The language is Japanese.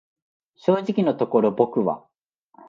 正直のところ僕は、